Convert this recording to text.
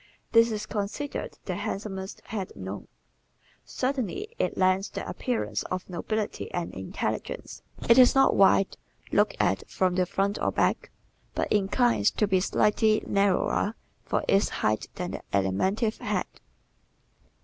This is considered the handsomest head known. Certainly it lends the appearance of nobility and intelligence. It is not wide, looked at from the front or back, but inclines to be slightly narrower for its height than the Alimentive head.